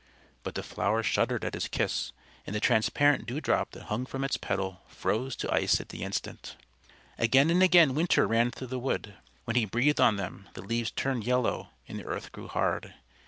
But the flower shuddered at his kiss, and the transparent dewdrop that hung from its petal froze to ice at the instant. Again and again Winter ran through the wood. When he breathed on them, the leaves turned yellow and the earth grew hard.